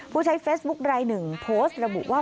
ผู้ใช้เฟซบุ๊คลายหนึ่งโพสต์ระบุว่า